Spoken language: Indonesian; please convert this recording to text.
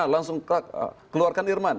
langsung keluarkan irman